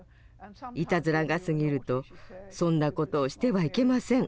いたずらが過ぎると「そんなことをしてはいけません。